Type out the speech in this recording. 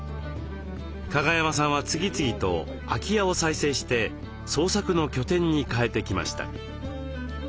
加賀山さんは次々と空き家を再生して創作の拠点に変えてきました。